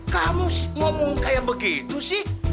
kamu ngomong kayak begitu sih